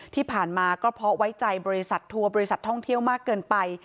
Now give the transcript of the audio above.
ที่ผ่านมาก็เพราะไว้ใจบริษัททัวร์บริษัทท่องเที่ยวมากเกินไป